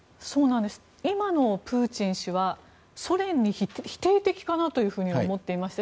今のプーチン氏はソ連に否定的かなと思っていまして。